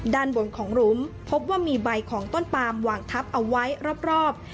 ด้านบนของหลุมพบว่ามีใบของต้นปามวางทับเอาไว้รอบ